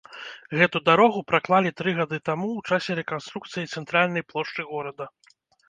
Гэту дарогу праклалі тры гады таму ў часе рэканструкцыі цэнтральнай плошчы горада.